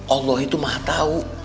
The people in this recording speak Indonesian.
allah itu maha tahu